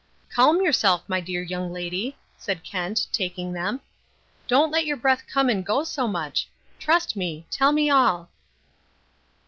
"Calm yourself, my dear young lady," said Kent, taking them. "Don't let your breath come and go so much. Trust me. Tell me all."